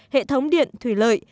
hệ thống điện thủy lợi